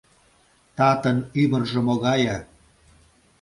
Татын ӱмыржӧ могае?